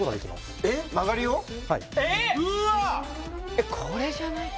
えっこれじゃないか？